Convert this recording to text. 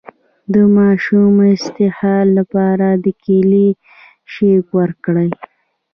د ماشوم د اسهال لپاره د کیلي شیک ورکړئ